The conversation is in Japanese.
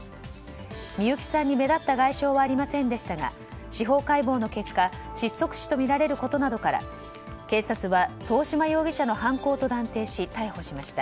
みゆきさんに目立った外傷はありませんでしたが司法解剖の結果窒息死とみられることなどから警察は遠嶋容疑者の犯行と断定し逮捕しました。